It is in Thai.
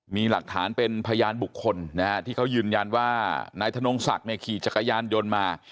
มีหลักฐานเป็นพยานบุคคลนะฮะที่เขายืนยันว่านายธนงศักดิ์เนี่ยขี่จักรยานยนต์มา